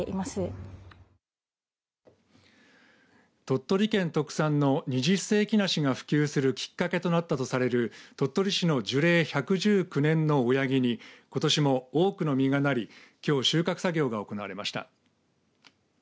鳥取県特産の二十世紀梨が普及するきっかけとなったとされる鳥取市の樹齢１１９年の親木にことしも多くの実がなりきょう収穫作業が行われました。